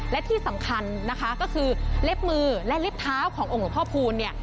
และที่สำคัญนะคะก็คือเล็บมือและเล็บเท้าขององค์หลวงพ่อพูลเนี่ย